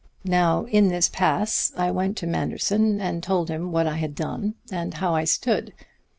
Now in this pass I went to Manderson and told him what I had done and how I stood.